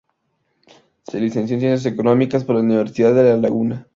Se licenció en Ciencias Económicas por la Universidad de La Laguna.